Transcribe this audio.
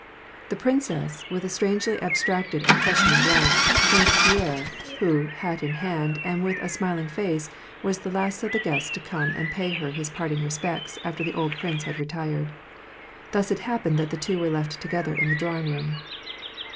The princess, with a strangely abstracted and questioning glance, turned to Pierre, who, hat in hand and with a smiling face, was the last of the guests to come and pay her his part ing respects after the old prince had retired. Thus it hap pened the two were left together in the drawing room.